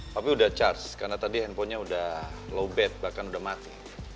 tapi udah charge karena tadi handphonenya udah low bad bahkan udah mati